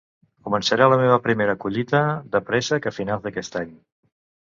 Començaré la meva primera collita de préssec a finals d'aquest any.